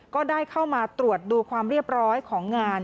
ก็ได้เข้ามาตรวจดูความเรียบร้อยของงาน